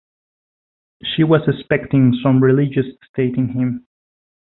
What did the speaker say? She was expecting some religious state in him.